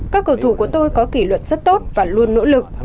các cầu thủ của tôi có kỷ luật rất tốt và luôn nỗ lực